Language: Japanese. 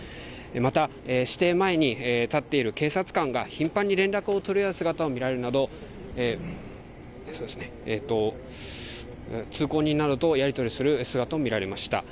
また私邸前に立っている警察官が頻繁に連絡を取り合う姿が見られるなど通行人などとやりとりをする姿も見られました。